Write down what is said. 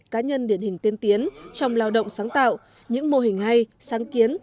cá nhân điển hình tiên tiến trong lao động sáng tạo những mô hình hay sáng kiến